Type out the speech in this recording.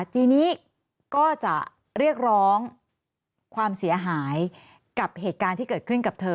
ทีนี้ก็จะเรียกร้องความเสียหายกับเหตุการณ์ที่เกิดขึ้นกับเธอ